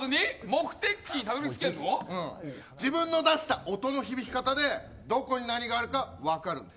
自分の出した音の響き方でどこに何があるか分かるんです。